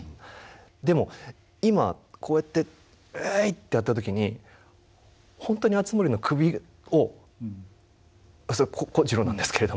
でも今こうやって「えい」ってやった時に本当に敦盛の首をそれは小次郎なんですけど。